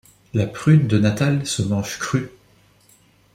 La prune de Natal se mange crue.